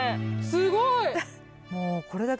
すごい。